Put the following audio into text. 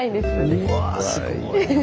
うわすごいな。